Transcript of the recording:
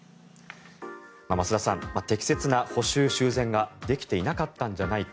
増田さん、適切な補修・修繕ができていなかったんじゃないか。